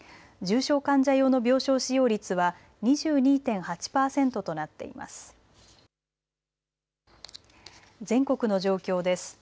重症患者用の病床使用率は２２．８％となっています。